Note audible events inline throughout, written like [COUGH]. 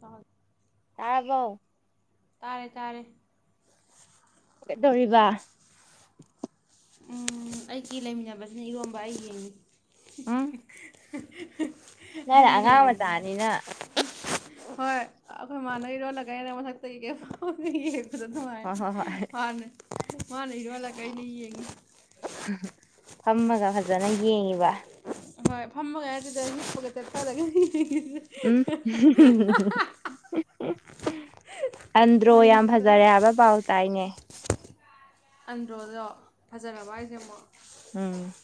ꯇ ꯇꯥꯕꯣ ꯇꯥꯔꯦ ꯇꯥꯔꯦ ꯒꯗꯣꯔꯤꯕ ꯑꯩꯒꯤ ꯂꯩꯃꯤꯟꯅꯕꯁꯤꯅ ꯏꯔꯣꯟꯝꯕ ꯑꯩ ꯌꯦꯡꯉꯤ [UNINTELLIGIBLE] ꯅꯅꯦ ꯑꯉꯥꯡ ꯂꯩꯃꯤꯟꯅꯕꯁꯤꯅ ꯃꯆꯥꯥꯅꯤꯅ ꯍꯣꯏ ꯑꯩꯈꯣꯏ ꯏꯃꯥꯟꯅꯕꯤꯔꯣꯜꯂꯒꯅꯦ ꯃꯊꯛꯇꯒꯤ ꯀꯩ ꯄꯥꯎꯝ ꯍꯣꯏ ꯑꯗꯨꯅꯨꯡꯃꯥꯏꯅ ꯍꯣꯏ ꯍꯣꯏ ꯃꯥꯅ ꯃꯥꯅ ꯏꯔꯜꯂ ꯀꯅꯤꯌꯦ ꯐꯝꯃꯒ ꯐꯖꯅ ꯌꯦꯡꯉꯤꯕ ꯍꯣꯏ ꯐꯝꯃꯒꯥꯏ ꯑꯗꯨꯗ ꯄꯨꯒ ꯆꯠꯄꯔꯒꯦ ꯎꯝ ꯑꯟꯗ꯭ꯔꯣ ꯌꯥꯝ ꯋꯥꯔꯤꯁꯤꯇ ꯐꯖꯔꯦ ꯍꯥꯏꯕ ꯄꯥꯎ ꯇꯥꯏꯅꯦ ꯑꯟꯗ꯭ꯔꯣꯗꯣ ꯐꯖꯔꯕ ꯍꯥꯏꯁꯦ ꯑꯃꯨꯛ ꯎꯝ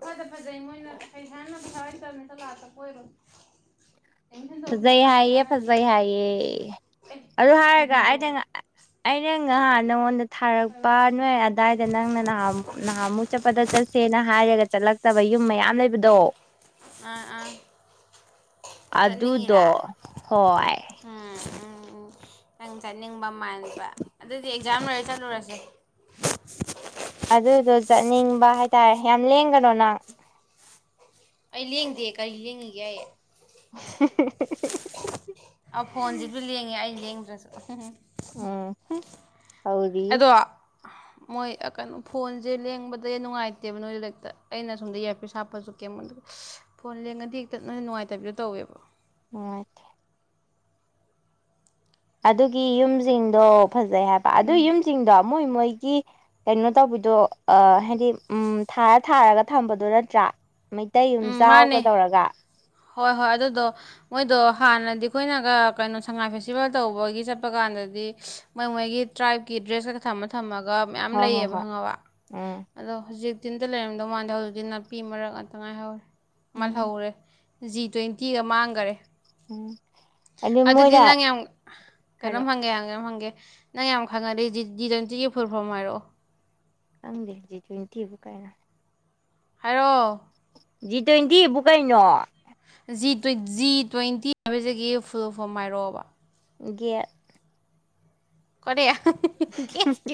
ꯐꯖ ꯐꯖꯩ ꯃꯣꯏꯅ ꯑꯩ ꯍꯥꯟꯅ ꯊꯋꯥꯏ ꯇꯕꯅꯤꯠꯇ ꯂꯥꯛꯇ ꯑꯣꯏꯔꯣ ꯐꯖꯩ ꯍꯥꯏꯌꯦ ꯐꯖꯩ ꯍꯥꯏꯌꯦ ꯑꯦ ꯑꯗꯨ ꯍꯥꯏꯔꯒ ꯀꯩꯅꯣꯗꯣ ꯑꯩꯗ ꯑꯩꯅ ꯉꯍꯥꯛ ꯅꯪꯉꯣꯟꯗ ꯍꯥꯏꯔꯣ ꯊꯥꯔꯛꯄ ꯅꯣꯏ ꯑꯗꯥꯋꯥꯏꯗ ꯅꯪꯅ ꯅꯍꯥ ꯅꯍꯥꯃꯨꯛ ꯆꯠꯄꯗ ꯆꯠꯁꯦꯅ ꯍꯥꯏꯔꯒ ꯆꯠꯂꯛꯇꯕ ꯌꯨꯝ ꯃꯌꯥꯝ ꯂꯩꯕꯗꯣ ꯑ ꯎꯥ ꯑꯗꯨꯨꯗ ꯍꯣꯏ ꯎꯝ ꯎꯝ ꯅꯪ ꯆꯠꯅꯤꯡꯕ ꯃꯕ ꯑꯗꯨꯗꯤ ꯑꯦꯛꯖꯥꯝ ꯂꯣꯏꯔ ꯆꯠꯂꯨꯔꯁꯦ ꯑꯗꯨꯗꯣ ꯆꯠꯅꯤꯡꯕ ꯍꯥꯏꯇꯥꯔꯦ ꯌꯥꯝ ꯂꯦꯡꯒꯅꯣ ꯅꯪ ꯑꯩ ꯂꯦꯡꯗꯦ ꯀꯔꯤ ꯂꯦꯡꯉꯒꯦ ꯑꯩ ꯑ ꯐꯣꯟꯁꯤꯁꯨ ꯂꯦꯡꯉꯦ ꯑꯩ ꯂꯦꯡꯗ꯭ꯔꯁꯨ ꯎꯝ ꯑꯥꯎꯔꯤ ꯑꯗꯣ ꯃꯣꯏ ꯀꯩꯅꯣ ꯐꯣꯟꯁꯦ ꯂꯦꯡꯕꯗ ꯅꯨꯡꯉꯥꯏꯇꯦꯕ ꯅꯣꯏ ꯂꯔꯤꯛꯇ ꯑꯩꯅ ꯁꯣꯝꯗ ꯏꯌꯥꯔꯄꯤꯤꯁ ꯍꯥꯞꯄꯁꯨ ꯀꯦꯝꯉꯣꯟꯗ ꯐꯣꯟ ꯂꯦꯡꯉꯗꯤ ꯍꯦꯛꯇꯠꯅ ꯅꯨꯡꯉꯥꯏꯇꯕꯤꯗꯣ ꯇꯧꯋꯦꯕ ꯑ ꯑꯗꯨꯒꯤ ꯌꯨꯝꯁꯤꯡꯗꯣ ꯐꯖꯩ ꯍꯥꯏꯕ ꯑꯗꯨ ꯎꯝ ꯌꯨꯝꯁꯤꯡꯗꯣ ꯃꯣꯏ ꯃꯣꯏ ꯀꯩꯅꯣ ꯇꯧꯕꯤꯗꯣ ꯑ ꯍꯥꯏꯗꯤ ꯎꯝ ꯊꯥꯔ ꯊꯥꯔꯒ ꯊꯝꯕꯗꯣ ꯅꯠꯇ꯭ꯔꯥ ꯃꯩꯇꯩ ꯌꯨꯝ ꯎꯝ ꯃꯥꯅꯦ ꯆꯥꯎꯒꯗꯧꯔꯒ ꯍꯣꯏ ꯍꯣꯏ ꯑꯗꯨꯗꯣ ꯃꯣꯏꯗꯣ ꯍꯥꯟꯅꯗꯤ ꯑꯩꯈꯣꯏꯅꯒ ꯀꯩꯅꯣ ꯁꯉꯥꯏ ꯐꯦꯁꯇꯤꯚꯦꯜ ꯇꯧꯕꯒꯤ ꯆꯠꯄ ꯀꯥꯟꯗ ꯑꯗꯗꯤ ꯃꯣꯏ ꯃꯣꯏꯒꯤ ꯇ꯭ꯔꯥꯏꯞꯀꯤ ꯗ꯭ꯔꯦꯁꯀꯀ ꯊꯝꯃ ꯊꯝꯃꯒ ꯃꯌꯥꯝ ꯍꯣꯏ ꯍꯣꯏ ꯂꯩꯌꯦꯕ ꯍꯣꯏ ꯈꯪꯉꯕ ꯎꯝ ꯑꯗꯣ ꯍꯧꯖꯤꯛ ꯇꯇꯤꯟꯗ ꯂꯩꯔꯝꯗꯧ ꯃꯥꯟꯗ ꯍꯧꯖꯤꯛꯇꯤ ꯅꯥꯄꯤ ꯃꯔꯛ ꯉꯥꯛꯇ ꯉꯥꯏꯍꯧꯔꯦ ꯎꯝ ꯃꯥꯜꯍꯧꯔꯦ ꯖꯤ ꯇ꯭ꯋꯦꯟꯇꯤꯒ ꯃꯥꯡꯈꯔꯦ ꯎꯝ ꯑꯗꯨ ꯑꯗꯨꯗꯤ ꯃꯣꯏꯅ ꯅꯪ ꯌꯥꯝ ꯀꯩꯅꯣꯝ ꯍꯥꯏꯔꯛꯑꯣ ꯍꯪꯒꯦ ꯌꯥꯝ ꯀꯩꯅꯣꯝ ꯍꯪꯒꯦ ꯅꯪ ꯌꯥꯝ ꯈꯪꯉꯗꯦ ꯗꯤꯖꯟꯁꯤꯒꯤ ꯐꯨꯨꯔ ꯐ ꯍꯥꯏꯔꯛꯑꯣ ꯀꯪꯗ ꯍꯧꯖꯤꯛꯇ ꯊꯤꯕ ꯀꯥꯏꯅ ꯍꯥꯏꯔꯣ ꯖꯤ ꯇ꯭ꯋꯦꯟꯇꯤ ꯏꯕꯨ ꯀꯩꯅꯣ ꯖꯤ ꯖꯤ ꯇ꯭ꯋꯦꯟꯇꯤ ꯍꯥꯏꯕꯁꯤꯒꯤ ꯐꯨꯜ ꯐꯣꯝ ꯍꯥꯏꯔꯛꯑꯣꯕ ꯌꯦꯠ ꯀ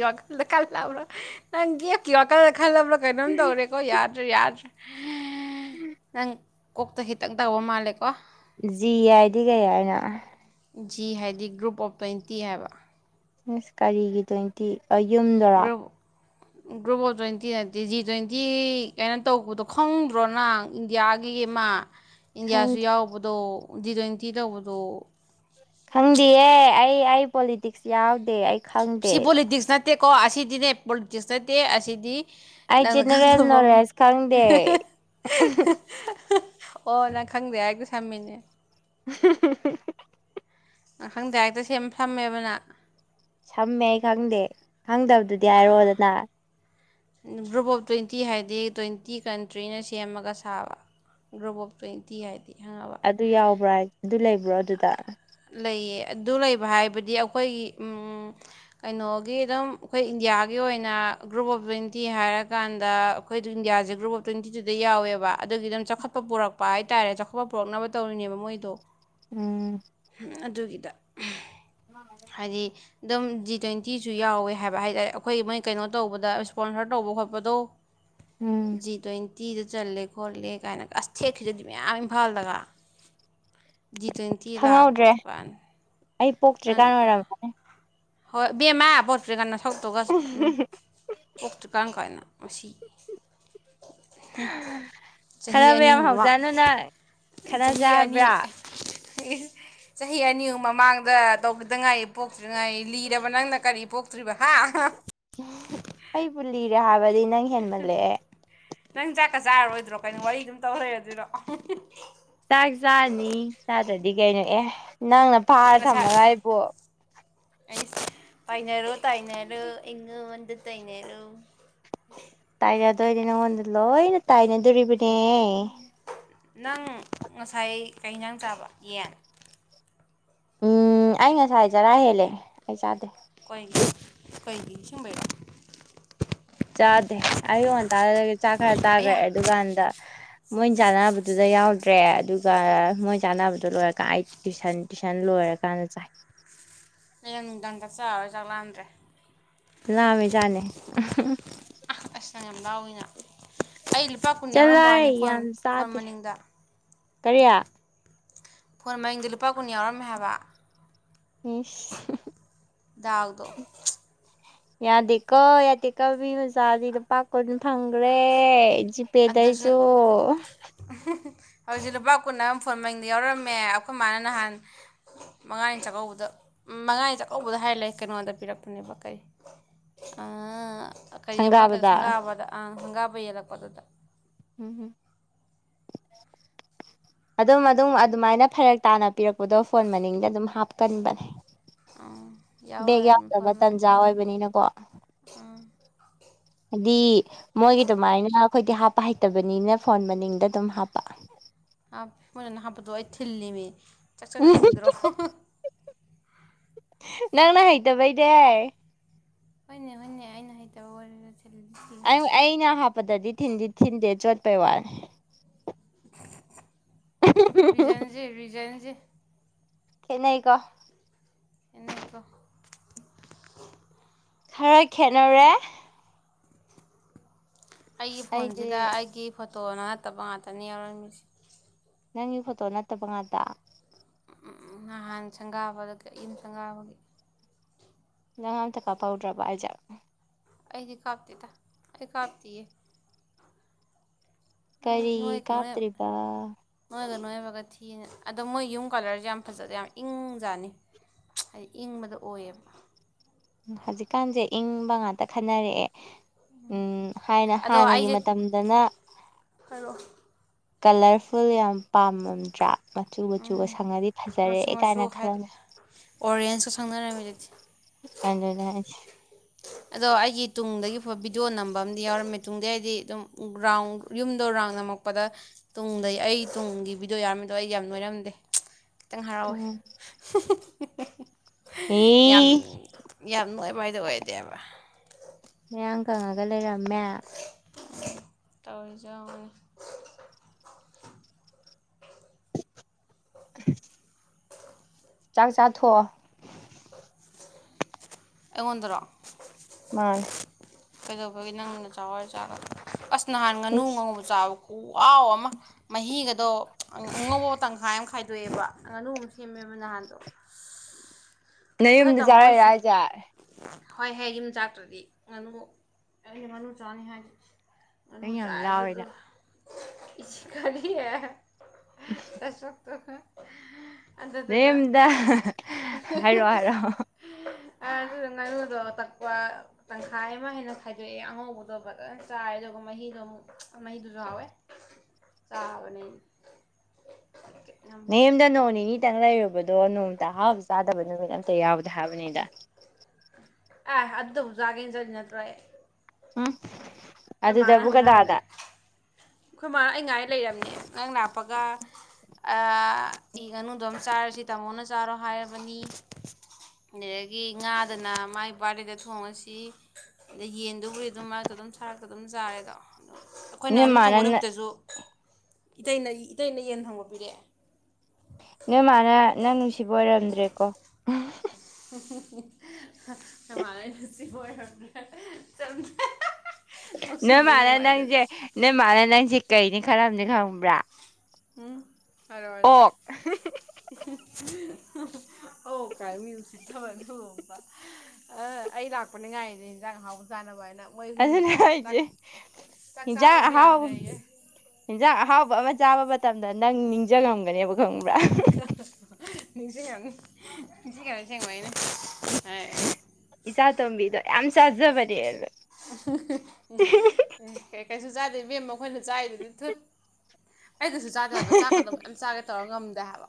ꯌꯦꯦꯀꯜꯗ ꯀꯜꯂꯝꯕꯣ ꯅꯪ ꯌꯦ ꯒꯤ ꯀ ꯑꯀꯜ ꯈꯜꯂꯕꯂꯣ ꯀꯩꯅꯣꯝ ꯇꯧꯔꯦꯀꯣ ꯌꯥꯗ꯭ꯔꯥ ꯌꯥꯗ꯭ꯔꯥ ꯅꯪ ꯀꯣꯛꯇ ꯈꯤꯇꯪ ꯇꯧꯕ ꯃꯥꯜꯂꯦꯀꯣ ꯖꯤ ꯌꯥꯏꯗꯤ ꯀꯩ ꯍꯥꯏꯅ ꯖꯤ ꯍꯥꯏꯗꯤ ꯒ꯭ꯔꯨꯞ ꯑꯣꯐ ꯇ꯭ꯋꯦꯟꯇꯤ ꯍꯥꯏꯕ ꯁ ꯀꯔꯤꯒꯤ ꯇ꯭ꯋꯦꯟꯇꯤ ꯌꯨꯝꯗꯔꯥ ꯒ꯭ꯂꯣꯕꯜ ꯇ꯭ꯋꯦꯟꯇꯤ ꯅꯠꯇꯦ ꯖꯤ ꯇ꯭ꯋꯦꯟꯇꯤ ꯀꯩꯅꯣ ꯇꯧꯕꯗꯣ ꯈꯪꯗ꯭ꯔꯣꯅꯪ ꯏꯟꯗꯤꯌꯥꯒꯤ ꯑꯃ ꯏꯟꯗꯤꯌꯥꯁꯨ ꯈꯪꯗꯦ ꯌꯥꯎꯕꯗꯣ ꯗꯤ ꯇ꯭ꯋꯦꯟꯇꯤ ꯇꯧꯕꯗꯣ ꯈꯪꯗꯦꯌꯦꯦ ꯑꯩ ꯑꯩ ꯄꯣꯂꯤꯇꯤꯛꯁ ꯌꯥꯎꯗꯦ ꯑꯩ ꯈꯪꯗꯦ ꯁꯤ ꯄꯣꯂꯤꯇꯤꯛꯁ ꯅꯠꯇꯦꯀꯣ ꯑꯁꯤꯗꯤꯅꯦ ꯄꯣꯂꯤꯇꯤꯛꯁ ꯅꯠꯇꯦ ꯑꯁꯤꯗꯤ ꯑꯩ ꯅꯪꯅ ꯖꯦꯅꯦꯔꯦꯜ ꯈꯪꯗꯕ ꯑꯃ. ꯅꯣꯂꯦꯖ ꯈꯪꯗꯦ ꯑꯣ ꯅꯪ ꯈꯪꯗꯦ ꯍꯥꯏꯗꯤ ꯁꯝꯃꯤꯅꯦ [INAUDIBLE] ꯑꯈꯪꯗ ꯍꯦꯛꯇ ꯁꯦꯝ ꯐꯝꯃꯦꯕꯅ ꯁꯝꯃꯦ ꯑꯩ ꯈꯪꯗꯦ ꯈꯪꯗꯕꯗꯨꯗꯤ ꯍꯥꯏꯔꯣꯗꯅ ꯒ꯭ꯔꯨꯞ ꯑꯣꯐ ꯇ꯭ꯋꯦꯟꯇꯤ ꯍꯥꯏꯗꯤ ꯇ꯭ꯋꯦꯟꯇꯤ ꯀꯟꯇ꯭ꯔꯤꯅ ꯁꯦꯝꯃꯒ ꯁꯥꯕ ꯭ꯔꯣꯨꯞ ꯑꯣꯐ ꯇ꯭ꯋꯦꯟꯇꯤ ꯍꯥꯏꯗꯤ ꯈꯪꯉꯕ ꯑꯗꯨ ꯌꯥꯎꯕ꯭ꯔꯥ ꯑꯗꯨ ꯂꯩꯕ꯭ꯔꯣ ꯑꯗꯨꯗ ꯂꯩꯌꯦ ꯑꯗꯨ ꯂꯩꯕ ꯍꯥꯏꯕꯗꯤ ꯑꯩꯈꯣꯏꯒꯤ ꯎꯝ ꯀꯩꯅꯣꯒꯤ ꯑꯗꯨꯝ ꯑꯩꯈꯣꯏ ꯏꯟꯗꯤꯌꯥꯒꯤ ꯑꯣꯏꯅ ꯒ꯭ꯔꯨꯞ ꯑꯣꯐ ꯇ꯭ꯋꯦꯟꯇꯤ ꯍꯥꯏꯔꯀꯥꯟꯗ ꯑꯩꯈꯣꯏ ꯏꯟꯗꯤꯌꯥꯁꯦ ꯒ꯭ꯔꯨꯞ ꯑꯣꯐ ꯇ꯭ꯋꯦꯟꯇꯤ ꯇꯨꯗ ꯌꯥꯎꯋꯕ ꯑꯗꯨꯒꯤ ꯑꯗꯨꯝ ꯆꯥꯎꯈꯠꯄ ꯄꯨꯔꯛꯄ ꯍꯥꯏꯇꯥꯔꯦ ꯆꯥꯎꯈꯠꯄ ꯄꯨꯔꯛꯅꯕ ꯇꯧꯔꯤꯅꯤ ꯅꯦꯕ ꯃꯣꯏꯗꯣ ꯎꯝ ꯑꯗꯨꯒꯤꯗ ꯍꯥꯏꯗꯤ ꯑꯗꯨꯝ ꯖꯤ ꯇ꯭ꯋꯦꯟꯇꯤꯁꯨ ꯌꯥꯎꯋꯦ ꯍꯥꯏꯕ ꯍꯥꯏꯇꯥꯔꯦ ꯑꯩꯈꯣꯏ ꯃꯣꯏ ꯀꯩꯅꯣ ꯇꯧꯕꯗ ꯏꯁꯄꯣꯟꯁꯔ ꯇꯧꯕ ꯈꯣꯠꯄꯗꯣ ꯎꯝ ꯖꯤ ꯇ꯭ꯋꯦꯟ ꯇꯤꯗ ꯆꯜꯂꯦ ꯈꯣꯠꯂꯦ ꯀꯥꯏꯅꯒ ꯑꯁ ꯊꯦꯛꯈꯤꯗꯗꯤ ꯃꯌꯥꯝ ꯏꯝꯐꯥꯜꯗꯒ ꯖꯤ ꯇ꯭ꯋꯦꯟꯇꯤ ꯂꯥꯕ ꯈꯪꯍꯧꯗ꯭ꯔꯦ ꯑꯣꯏꯅꯤ ꯑꯩ ꯄꯣꯛꯇ꯭ꯔꯤꯀꯥꯟ ꯑꯣꯏꯔꯃꯅꯦ ꯍꯣꯏ ꯕꯦꯝꯃꯥ ꯄꯣꯔꯛꯇ꯭ꯔꯤꯀꯥꯟꯗ ꯁꯛꯇꯨꯒꯁꯨ ꯎꯝ ꯄꯣꯛꯇ꯭ꯔꯤꯀꯥꯟ ꯀꯥꯏꯅꯣ ꯑꯁꯤꯁꯤ ꯆꯍꯤ ꯈꯠꯅꯕ ꯑꯅꯤ ꯌꯥꯝ ꯑꯍꯨꯝꯕ ꯍꯧꯖꯥꯅꯨꯅ ꯈꯠꯅꯖꯦ ꯆꯍꯤ ꯑꯅꯤ ꯍꯥꯏꯕ꯭ꯔꯥ ꯆꯍꯤ ꯑꯅꯤ ꯑꯨꯨꯝ ꯃꯃꯥꯡꯗ ꯇꯧꯈꯤꯗꯉꯥꯏ ꯄꯣꯛꯇꯗꯉꯥꯏ ꯂꯤꯔꯕ ꯅꯪꯅ ꯀꯔꯤ ꯄꯣꯛꯇ꯭ꯔꯤꯕ ꯍꯥ ꯑꯩꯕꯨ ꯂꯤꯔꯦ ꯍꯥꯏꯕꯗꯤ ꯅꯪ ꯍꯦꯟꯃꯜꯂꯛꯑꯦ ꯅꯪ ꯆꯥꯛꯀ ꯆꯥꯔꯔꯣꯏꯗ꯭ꯔꯣ ꯀꯩꯅꯣ ꯋꯥꯔꯤ ꯑꯗꯨꯝ ꯇꯧ ꯂꯩꯔꯗꯣꯏꯔꯣ ꯆꯥꯛ ꯆꯥꯔꯅꯤ ꯆꯥꯗ꯭ꯔꯗꯤ ꯀꯩꯅꯣ ꯑꯦ ꯅꯪꯅ ꯐꯥꯔ ꯊꯝꯃꯒ ꯍꯥꯏꯕꯣ ꯑ ꯄꯥꯏꯅꯦꯔꯣ ꯇꯥꯏꯩꯅꯔꯣ ꯏꯉꯗ ꯇꯥꯏꯅꯦꯔꯣ ꯇꯥꯏꯅꯗꯣꯏꯅꯦ ꯅꯪꯉꯣꯟꯗ ꯂꯣꯏꯅ ꯇꯥꯏꯅꯗꯣꯔꯤꯕꯅꯦ ꯅꯪ ꯉꯁꯥꯏ ꯀꯩꯩꯅꯥꯡ ꯆꯥꯕ ꯌꯦꯟ ꯎꯝ ꯑꯩ ꯉꯁꯥꯏ ꯍꯥꯏꯖꯔꯥ ꯍꯦꯜꯂꯦ ꯑꯩ ꯆꯥꯗꯦ ꯑꯩꯒꯤ ꯑꯩꯒꯤ ꯁꯨꯝꯕꯩꯦ ꯆꯥꯗꯦ ꯑꯩꯌꯨ ꯋꯥꯟꯇꯥꯗꯒ ꯆꯥꯛ ꯈꯔ ꯆꯥꯈ꯭ꯔꯦ ꯑꯌꯥ ꯑꯗꯨꯀꯥꯟꯗ ꯃꯣꯏꯅ ꯆꯥꯅꯕꯗꯨꯗꯩ ꯌꯥꯎꯗ꯭ꯔꯦ ꯑꯗꯨꯒ ꯃꯣꯏ ꯆꯥꯟꯅꯕꯗꯣ ꯂꯣꯏꯔꯀꯥꯟ ꯑꯩ ꯇꯨꯁꯟ ꯇꯨꯏꯁꯟ ꯂꯣꯏꯔꯀꯥꯟꯗ ꯆꯥꯏ ꯍꯌꯦꯡ ꯅꯨꯡꯗꯥꯡ ꯆꯠ ꯆꯥꯔꯔꯣꯏ ꯆꯥꯛꯂꯛꯑꯥꯟꯗ꯭ꯔꯦ ꯂꯃꯤ ꯆꯅꯦꯦ ꯀ ꯌꯥꯝ ꯂꯥꯎꯏꯅ ꯑꯩ ꯂꯨꯄꯥ ꯀꯨꯟ ꯌꯥꯎꯔꯝꯕ ꯆꯠꯂꯣꯍꯦ ꯋꯥꯅꯤ ꯐꯣꯟ ꯌꯥꯝ ꯐꯣꯟ ꯆꯥꯗꯦ ꯃꯅꯤꯡꯗ ꯀꯔꯤ ꯐꯣꯟ ꯃꯡꯗ ꯂꯨꯄꯥ ꯀꯨꯟ ꯌꯥꯎꯔꯝꯃꯦ ꯍꯥꯏꯕ ꯍꯝ ꯎꯗꯣ ꯌꯥꯗꯦꯀꯣ ꯌꯥꯗꯦ ꯀꯧ ꯃꯤ ꯑꯣꯖꯥꯗꯤ ꯂꯨꯄꯥ ꯀꯨꯅ ꯐꯪꯈ꯭ꯔꯦ ꯍꯧꯖꯤ ꯑꯗꯨꯁꯨ ꯄꯦꯗꯥꯁꯨꯣ ꯍꯧꯖꯤꯛ ꯂꯨꯄꯥ ꯀꯨꯟ ꯑꯃ ꯐꯣꯟ ꯃꯡꯗ ꯌꯥꯎꯔꯝꯃꯦ ꯑꯩꯈꯣꯏ ꯃꯥꯅ ꯅꯍꯥꯟ ꯃꯉꯥꯅꯤ ꯆꯥꯛꯀꯧꯕꯗ ꯃꯉꯥꯅꯤ ꯆꯥꯛꯀꯧꯕꯗ ꯍꯥꯏ ꯂꯩꯦ ꯀꯩꯅꯣꯗ ꯄꯤꯔꯛꯄꯅꯦꯕ ꯀꯩ ꯀꯔꯤ ꯑꯃ ꯀꯩꯅꯣ ꯁꯪꯒꯥꯕꯗ ꯁꯪꯒꯥꯕꯗ ꯑꯪ ꯁꯪꯒꯥꯕ ꯌꯦꯜꯂꯛꯄꯗꯨꯗ ꯎꯝ ꯍꯝ ꯑꯗꯨꯝ ꯑꯗꯨꯝ ꯑꯗꯨꯃꯥꯏꯅ ꯐꯔꯛ ꯇꯥꯅ ꯄꯤꯔꯛꯄꯗꯣ ꯐꯣꯟ ꯃꯅꯤꯡꯗ ꯑꯗꯨꯝ ꯍꯥꯞꯀꯟꯕꯅꯦ [UNINTELLIGIBLE] ꯑꯥ ꯌꯥꯎ ꯕꯦꯛ ꯂꯩꯔꯝꯃꯦ ꯌꯥꯝꯖꯕ ꯐꯣꯟ ꯃꯩ ꯇꯟꯖꯥ ꯑꯣꯏꯕꯅꯤꯅꯀꯣ ꯍꯥꯏꯗꯤ ꯃꯣꯏꯒꯤ ꯑꯗꯨꯃꯥꯏꯅ ꯑꯩꯈꯣꯏꯗꯤ ꯍꯥꯞꯄ ꯍꯩꯇꯕꯅꯤꯅ ꯐꯣꯟ ꯃꯅꯤꯡꯗ ꯑꯗꯨꯝ ꯍꯥꯞꯄ ꯃꯣꯏꯅꯅ ꯍꯥꯞꯄꯠꯇꯣ ꯑꯩ ꯊꯤꯜꯂꯤꯃꯦ ꯆꯥꯛ ꯆꯥꯛ ꯆ ꯊꯤꯟꯗ꯭ꯔꯣ ꯅꯪꯅ ꯍꯩꯇꯕꯩ ꯗꯦ ꯍꯣꯏꯅꯦ ꯍꯣꯏꯅꯦ ꯑꯩꯅ ꯍꯩꯇꯕ ꯑꯣꯏꯔꯒꯗꯤ ꯑꯩꯅ ꯍꯥꯞꯄꯗꯗꯤꯤꯟꯗꯤ ꯊꯤꯟꯗꯦ ꯆꯣꯠꯄꯩ ꯋꯥꯅꯤ ꯕꯤꯖꯟꯖꯤ ꯕꯤꯖꯟꯖꯤ ꯅ ꯀ ꯏꯅꯦꯀꯣ ꯈꯔ ꯈꯦꯅꯔ ꯑꯩꯒꯤ ꯑꯩꯗꯤ ꯐꯣꯟꯁꯤꯗ ꯑꯩꯒꯤ ꯐꯣꯇꯣꯅ ꯅꯠꯇꯕ ꯉꯥꯛꯇꯅꯤ ꯌꯥꯎꯔꯝꯃꯤꯁꯦ ꯅꯪꯒꯤ ꯐꯣꯇꯣ ꯅꯠꯇꯕ ꯉꯥꯛꯇ ꯅꯍꯥꯟ ꯁꯪꯒꯥꯕ ꯑꯗꯨꯒ ꯑꯏꯩꯅ ꯁꯪꯒꯥꯕꯒꯤ ꯅꯪ ꯑꯝꯇ ꯀꯥꯞꯍꯧꯗ꯭ꯔꯕ ꯑꯩꯁꯦ ꯑꯩꯗꯤ ꯀꯥꯞꯇꯗ ꯑꯩ ꯀꯥꯞꯇꯌꯦ ꯀꯔꯤ ꯅꯣꯏꯒ ꯅꯣꯏ ꯀꯥꯞꯇ꯭ꯔꯤꯔꯤꯕ ꯅꯣꯏꯒ ꯅꯣꯏꯕꯒ ꯊꯤꯅ ꯑꯗꯣ ꯃꯣꯏ ꯌꯨꯝ ꯀꯂꯔꯁꯦ ꯌꯥꯝ ꯐꯖꯗ ꯌꯥꯝ ꯏꯪꯖꯥꯅꯤ ꯍꯥꯏꯗꯤ ꯏꯪꯕꯗ ꯑꯣꯏꯌꯦꯕ ꯍꯧꯖꯤꯛꯀꯥꯟꯁꯦ ꯏꯪꯕ ꯉꯥꯇ ꯈꯟꯅꯔꯛꯑꯦ ꯎ ꯍꯥꯏꯅ ꯑꯗꯣ ꯍꯥꯟꯅꯒꯤ ꯑꯩꯁꯦ ꯃꯇꯝꯗꯅ ꯍꯥꯏꯔꯛꯑꯣ ꯀꯂꯔꯐꯨꯜ ꯌꯥꯝ ꯄꯥꯝꯃꯝꯗ꯭ꯔꯥ ꯃꯆꯨ ꯃꯆꯨꯒ ꯎꯝ ꯁꯪꯉꯗꯤ ꯐꯖꯔꯦ ꯃꯆꯨ ꯀꯥꯏꯅ ꯈꯜꯂꯝꯃꯤ ꯊꯪꯅꯔꯝꯃꯦꯕ ꯑꯗꯨꯗꯤꯦ ꯑꯗ ꯌꯥ ꯑꯗꯣ ꯑꯩꯒꯤ ꯇꯨꯡꯗꯒꯤ ꯐꯕ ꯚꯤꯗꯤꯑꯣ ꯅꯝꯕ ꯑꯃꯗꯤꯝ ꯌꯥꯎꯔꯝꯃꯦ ꯇꯨꯡꯗꯤ ꯑꯩꯗꯤ ꯑꯗꯨꯝ ꯒ꯭ꯔꯥꯎꯟ ꯌꯨꯝꯗ ꯔꯥꯎꯟ ꯅꯝꯃꯛꯄꯗ ꯇꯨꯡꯗꯩ ꯑꯩ ꯇꯨꯡꯒꯤ ꯚꯤꯗꯤꯑꯣ ꯌꯥꯔꯝꯃꯤꯗꯣ ꯑꯩ ꯌꯥꯝ ꯅꯣꯏꯔꯝꯗꯦ ꯈꯤꯇꯪ ꯍꯔꯥꯎꯋꯦ ꯎ ꯑꯗꯨꯃꯋꯥꯏꯗ ꯑꯣꯏꯗꯦꯕ ꯃꯌꯥꯝꯡ ꯀꯪꯉꯒ ꯂꯩꯔꯝꯃꯦ ꯇꯧꯏꯖꯎꯋꯅꯦ ꯍ ꯆꯥꯛ ꯆꯥꯊꯣꯛꯑꯣ ꯑꯩꯉꯣꯟꯗꯔꯣ ꯃꯥꯅꯦ ꯀꯩꯗꯧꯕꯒꯤ ꯅꯪꯅ ꯆꯥꯋꯥꯔ ꯆꯥꯔ ꯑꯁ ꯅꯍꯥꯟ ꯉꯥꯅꯨ ꯏꯁ ꯉꯉꯧꯕ ꯆꯥꯕꯀꯣ ꯋꯥꯎ ꯑꯃ ꯃꯍꯤꯒꯗꯣ ꯑꯉꯧꯕ ꯇꯪꯈꯥꯏ ꯑꯃ ꯈꯥꯏ ꯗꯣꯛꯑꯦꯕ ꯉꯥꯅꯨ ꯑꯃ ꯁꯦꯝꯃꯦꯕ ꯅꯍꯥꯟꯗꯣ ꯅꯌꯨꯝꯗ ꯆꯥꯔꯛꯏꯔ ꯍꯥꯏꯖꯦ ꯍꯣꯏꯍꯦ ꯌꯨꯝꯗ ꯆꯔꯛꯇꯔꯗꯤ ꯑꯩꯅ ꯉꯥꯅꯨ ꯆꯥꯅꯤ ꯍꯥꯏꯈꯤ ꯅꯪ ꯌꯥꯝ ꯂꯥꯎꯋꯦ ꯅꯪ ꯏꯁ ꯀꯔꯤ ꯅꯥꯁꯛꯇꯨꯒꯥ ꯅꯥꯌꯨꯝꯗ ꯍꯥꯏꯔꯛꯑꯣ ꯍꯥꯏꯔꯛꯑꯣ ꯑꯥ ꯑꯗꯨꯗꯣ ꯉꯥꯅꯨ ꯗꯣ ꯇꯛꯄ ꯇꯪꯈꯥꯏ ꯑꯃ ꯍꯦꯟꯅ ꯈꯥꯏꯗꯣꯛꯑꯦ ꯑꯉꯧꯕꯗꯣ ꯐꯖꯅ ꯆꯥꯔꯦ ꯑꯗꯨꯒ ꯃꯍꯤꯗꯣ ꯑꯃꯨꯛ ꯃꯍꯤ ꯗꯨꯁꯨ ꯍꯥꯎꯋ ꯆꯥꯕꯅꯤ ꯅꯥꯌꯨꯝꯗꯥ ꯅꯣꯡ ꯅꯤꯅꯤ ꯗꯪ ꯂꯩꯔꯨꯕꯗꯥ ꯑꯗꯣ ꯅꯣꯡꯃꯇ ꯑꯍꯥꯎꯕ ꯆꯥꯗꯕ ꯅꯨꯃꯤꯠ ꯑꯝꯇ ꯌꯥꯎꯗꯦ ꯍꯥꯏꯕꯅꯤꯗ ꯑꯦ ꯑꯗꯨꯇꯥꯕꯨ ꯖꯥꯒꯦꯅꯥ ꯆꯠꯂꯤ ꯅꯥꯠꯇꯔꯣ ꯑꯩ ꯎꯝ ꯑꯩꯈꯣꯏ ꯃꯥꯅ ꯑꯗꯨꯗꯕꯨ ꯉꯥꯏ ꯀꯅꯥꯅꯥ ꯑꯩꯈꯣꯏ ꯃꯥ ꯅꯥ ꯑꯩ ꯉꯥꯏꯔꯥ ꯂꯩꯔꯦ ꯍꯥꯏꯕꯅꯦ ꯅꯪ ꯂꯛꯄꯒ ꯑ ꯉꯥꯅꯨꯗꯣ ꯑꯃ ꯆꯥꯔꯁꯤ ꯇꯥꯃꯣꯅ ꯆꯥꯔꯣ ꯍꯥꯏꯔꯕꯅꯤ ꯑꯗꯨꯗꯒꯤ ꯉꯥꯗꯅ ꯃꯥꯏ ꯕꯥꯔꯗꯦ ꯗ ꯊꯣꯡꯉꯁꯤ ꯑꯗ ꯌꯦꯟꯗꯨꯕꯨꯗꯤ ꯑꯗꯨꯝ ꯃꯔꯛꯇ ꯑꯗꯨꯝ ꯊꯔꯛꯇ ꯑꯗꯨꯝ ꯆꯥꯔꯦꯗꯣ ꯑꯩꯈꯣꯏꯅ ꯅꯣꯏ ꯉꯥꯅꯨ ꯃꯥꯅ ꯊꯣꯡꯕ ꯅꯨꯃꯤꯠꯇꯁꯨ ꯏꯇꯩꯅ ꯏꯇꯩꯩꯅ ꯌꯦꯟ ꯊꯣꯡꯕ ꯄꯤꯔꯛꯑꯦ ꯅꯣꯏ ꯃꯥꯅ ꯅꯪ ꯅꯨꯡꯁꯤꯕ ꯑꯣꯏꯔꯝꯗ꯭ꯔꯦꯀꯣ eikhoi ꯃꯥ ꯅꯥ ꯑꯩ ꯅꯨꯡꯁꯤꯕꯥ ꯑꯣꯏꯔꯝꯗꯔ꯭ꯦ ꯆꯇꯂꯣ ꯅꯣꯏ ꯃꯥꯅ ꯅꯪꯁꯦ ꯅꯣꯏ ꯃꯥꯅ ꯅꯪꯁꯦ ꯀꯩꯅꯤ ꯈꯜꯂꯝꯅꯤ ꯈꯪꯕ꯭ꯔꯥ ꯎꯝ ꯍꯥꯏꯔꯛꯑꯣ ꯑꯣꯛ ꯑꯣ ꯀꯥꯏ ꯃꯤ ꯁꯤꯠꯊꯕꯅꯤ ꯍꯣꯡꯕ ꯑ ꯑꯩ ꯂꯥꯛꯄꯅꯦ ꯉꯥꯏꯔꯤꯁꯦ ꯑꯦꯟꯁꯥꯡ ꯑꯍꯥꯎꯕꯥ ꯆꯥꯅꯕꯅꯥ ꯑꯗꯨꯅꯦ ꯍꯥꯏꯖꯦ ꯆꯥꯛ ꯑꯦꯟꯁꯥꯡ ꯆꯥꯕꯁꯨ ꯑꯍꯥꯎꯕꯥ ꯌꯥꯗ꯭ꯔꯦꯌꯦ ꯑꯦꯟꯁꯥꯡ ꯑꯍꯥꯎꯕꯥ ꯑꯃ ꯆꯥꯕ ꯃꯇꯝꯗ ꯅꯪ ꯅꯤꯡꯖꯤꯡꯉꯝꯒꯅꯤꯕ ꯏꯀ ꯅꯤꯡꯁꯤꯡ ꯉꯝꯅꯤ ꯅꯤꯡꯁꯤꯡꯈ ꯁꯦꯡꯕ ꯑꯩꯅ ꯍꯥꯏ ꯏꯆꯥ ꯇꯝꯕꯤꯗꯣ ꯌꯥꯝ ꯆꯖꯕꯅꯦꯅ ꯀꯩꯁꯨ ꯆꯥꯗꯦ ꯏꯕꯦꯝꯃꯥ ꯑꯩꯈꯣꯏꯅꯥ ꯆꯥꯏꯔꯤꯗꯨꯗꯤ ꯊꯨꯠ ꯑꯩ ꯀꯩꯁꯨ ꯆꯥꯗꯦ ꯍꯥꯏꯕ ꯆꯥꯛꯀꯗꯣ ꯌꯥꯝ ꯆꯥꯒꯦ ꯇꯧꯔ ꯉꯝꯗꯦ ꯍꯥꯏꯕ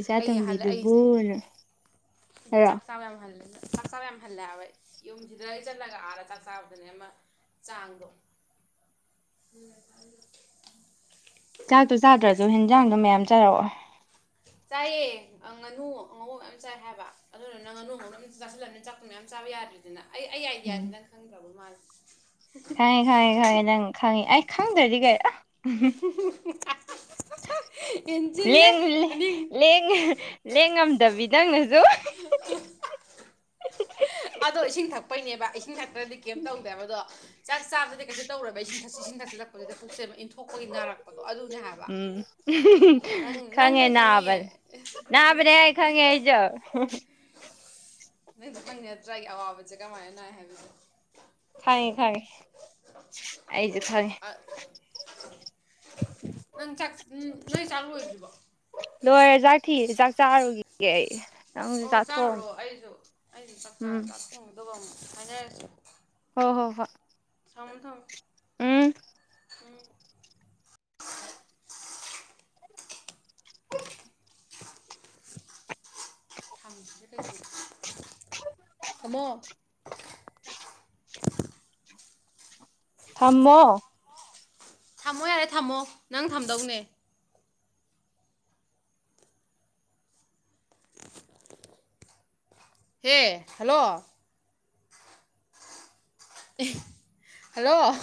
ꯏꯆꯥ ꯑꯩ ꯍꯜꯂꯦ ꯑꯩ ꯇꯣꯝꯕꯤꯗꯨꯕꯨ ꯑꯅꯥ ꯍꯥꯏꯔꯣ ꯆꯥꯛ ꯆꯥꯕ ꯌꯥꯝ ꯍꯜꯂꯦ ꯆꯥꯛ ꯆꯥꯕꯥ ꯌꯥꯝ ꯍꯜꯂꯦ ꯍꯥꯏꯕꯥ ꯑꯩ ꯌꯨꯝ ꯁꯤꯗꯩꯩ ꯆꯠꯂꯒꯥ ꯑꯗ ꯆꯥꯛ ꯆꯥꯕꯗꯅꯦ ꯑꯃ ꯆꯥꯡꯗꯣ ꯆꯥꯛꯇꯣ ꯆꯥꯗ꯭ꯔꯁꯨ ꯍꯦꯟꯖꯥꯡꯗꯣ ꯃꯌꯥꯝ ꯆꯥꯔꯛꯑꯣ ꯆꯥꯏꯌꯦ ꯉꯥꯅꯨ ꯑꯉꯧꯕ ꯃꯌꯥꯝ ꯆꯥꯏ ꯍꯥꯏꯕ ꯑꯗꯨꯗꯨꯅ ꯉꯥꯅꯨ ꯑꯉꯧꯕꯗꯣ ꯆꯥꯁꯤꯜꯂꯝꯅꯤ ꯆꯥꯛꯇꯨ ꯃꯌꯥꯝ ꯆꯥꯕ ꯌꯥꯗ꯭ꯔꯤꯗꯅ ꯑꯩ ꯑꯩ ꯑꯥꯏꯗꯤꯌꯥꯁꯤ ꯎꯝ ꯅꯪ ꯈꯪꯗ꯭ꯔꯕ ꯃꯥꯜꯂꯦ ꯈꯪꯉꯦ ꯈꯪꯉꯦ ꯈꯪꯉꯦ ꯅꯪ ꯈꯪꯉꯤ ꯑꯩ ꯈꯪꯗ꯭ꯔꯗꯤ ꯀꯩꯔꯥ ꯍꯦꯟꯁꯤꯜꯂꯦ ꯂꯦꯡꯉ ꯂꯦꯡꯉꯝꯗꯕꯤ ꯅꯪꯅꯥꯁꯨ ꯑꯗꯣ ꯏꯁꯤꯡ ꯊꯛꯄꯩꯅꯦꯕ ꯏꯁꯤꯡ ꯊꯛꯇ꯭ꯔꯗꯤ ꯀꯦꯝ ꯇꯧꯗꯦꯕ ꯑꯗꯣ ꯆꯥꯛ ꯆꯥꯕꯗꯤ ꯀꯩꯁꯨ ꯇꯧꯔꯕ ꯏꯁꯤꯟ ꯊꯛꯆꯜꯂꯛꯄꯁꯤꯗ ꯄꯨꯛꯁꯦꯟꯕ ꯏꯟꯊꯣꯛꯄꯒꯤ ꯅꯥꯔꯛꯄꯗꯣ ꯑꯗꯨꯅꯦ ꯍꯥꯏꯕ ꯅꯪ ꯅꯪ ꯈꯡꯒꯦ ꯀꯩ ꯈꯪꯉꯤ ꯅꯥꯕꯅꯦ ꯅꯥꯕꯅꯦꯍꯦ ꯅꯪ ꯈꯡꯒꯦ ꯑꯩꯁꯨ ꯅꯪꯁꯨ ꯀꯪ ꯅꯠꯇ꯭ꯔꯥꯒꯤ ꯑꯋꯥꯕꯁꯦ ꯀꯃꯥꯏꯅ ꯅꯥ ꯍꯥꯏꯕꯁꯦ ꯈꯪꯉꯦ꯫ ꯈꯪꯉꯦ ꯑꯩꯁꯨ ꯈꯪꯉꯦ ꯅꯪ ꯆꯥꯛ ꯅꯣꯏ ꯆꯥꯛ ꯂꯣꯏꯗꯔ꯭ꯤꯕꯣ ꯂꯣꯏꯔꯦ ꯆꯥꯛ ꯊꯤꯔꯦ ꯆꯥꯛ ꯆꯥꯔꯨꯈꯤꯒꯦ ꯑꯩ ꯅꯪꯁꯨ ꯑꯣ ꯆꯥꯊꯣꯛꯑꯝ ꯆꯥꯔꯨꯔꯣ ꯑꯩꯁꯨ ꯑꯩꯁꯨ ꯆꯥꯛ ꯎꯝ ꯆꯥꯔꯒꯥ ꯊꯣꯡꯒꯗꯕ ꯑꯃꯨꯛ ꯍꯥꯏꯅꯔꯁꯤ ꯍꯣ ꯍꯣ ꯍꯣ ꯊꯝꯃꫭ ꯊꯝꯃꫭ ꯎꯝ ꯎꯝ ꯍ [INAUDIBLE] ꯊꯝꯃꯣ ꯊꯝꯃꯣ ꯊꯝꯃꯣ ꯌꯥꯔꯦ ꯊꯝꯃꯣ ꯅꯪ ꯊꯝꯗꯧꯅꯦ ꯍꯦ ꯍꯜꯂꯣ ꯍꯜꯂꯣ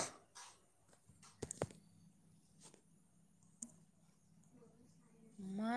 ꯃ